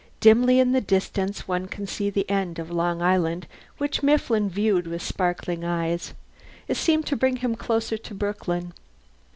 Dimly in the distance one can see the end of Long Island, which Mifflin viewed with sparkling eyes. It seemed to bring him closer to Brooklyn.